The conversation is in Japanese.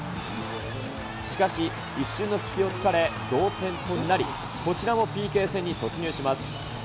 しかし一瞬の隙をつかれ、同点となり、こちらもＰＫ戦に突入します。